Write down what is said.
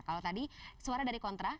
kalau tadi suara dari kontra